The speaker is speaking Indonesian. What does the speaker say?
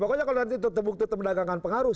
pokoknya kalau nanti tetap tetap mendagangkan pengaruh